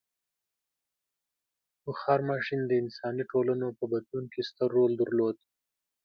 • بخار ماشین د انساني ټولنو په بدلون کې ستر رول درلود.